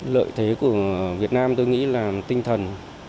lợi thế của việt nam tôi nghĩ là tinh thần